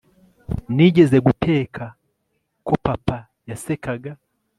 nigeze guteka, ko papa yasekaga